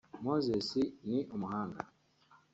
Moses ni umuhanga